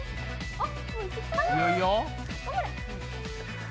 あっ！